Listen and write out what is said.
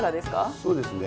そうですね。